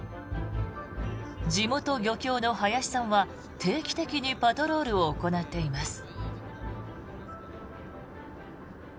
地元漁協の林さんは定期的にパトロールを行っています。